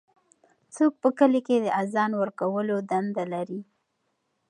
څوک په کلي کې د اذان ورکولو دنده لري؟